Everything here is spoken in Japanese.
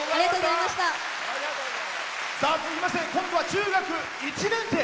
続きまして今度は中学１年生。